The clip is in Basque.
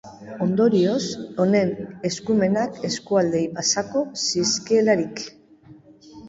Ondorioz, honen eskumenak eskualdeei pasako zizkielarik.